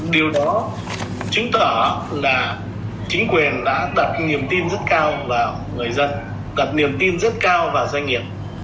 điều đó chứng tỏ là chính quyền đã đặt cái niềm tin rất cao vào người dân đặt niềm tin rất cao vào doanh nghiệp